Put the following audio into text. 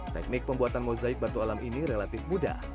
teknik pembuatan mozaik batu alam ini relatif mudah